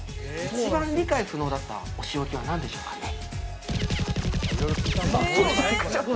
一番理解不能だったお仕置きはなんでしょうかね？